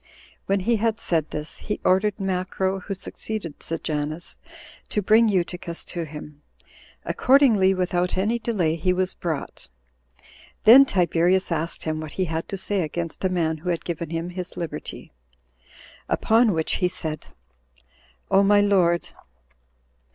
When he had said this, he ordered Macro, who succeeded Sejanus, to bring Eutychus to him; accordingly, without any delay, he was brought. Then Tiberius asked him what he had to say against a man who had given him his liberty. Upon which he said, "O my lord!